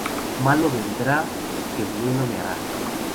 Malo vendrá que bueno me hará